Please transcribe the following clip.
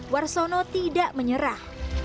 warsono tidak menyerah